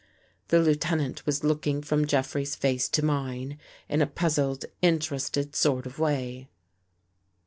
The Lieutenant was looking from Jeffrey's face to mine in a puzzled, interested sort of way.